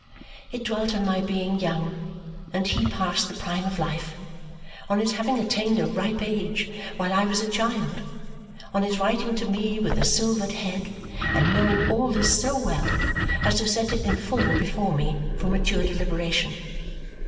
It dwelt on my being young, and he past the prime of life; on his having attained a ripe age, while I was a child; on his writing to me with a silvered head, and knowing all this so well as to set it in full before me for mature deliberation.